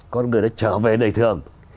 con người đã trở về đời thường